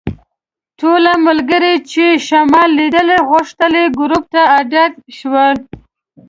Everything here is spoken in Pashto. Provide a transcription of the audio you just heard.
ټول ملګري چې شمال لیدل غوښتل ګروپ ته اډ شول.